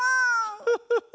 フフフッ。